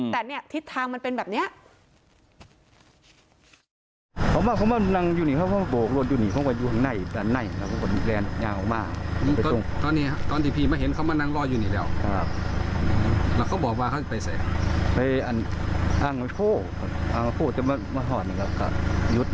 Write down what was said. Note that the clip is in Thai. แต่เนี่ยทิศทางมันเป็นแบบนี้